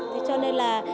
thế cho nên là